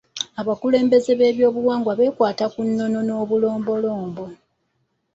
Abakulembeze b'ebyobuwangwa beekwata ku nnono n'obulombolombo.